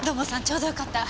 ちょうどよかった。